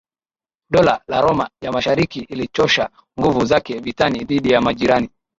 Dola la Roma ya Mashariki ilichosha nguvu zake vitani dhidi ya majirani